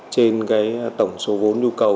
trên cái tổng số vốn nhu cầu